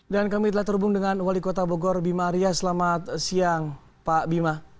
dan kami telah terhubung dengan wali kota bogor bima arya selamat siang pak bima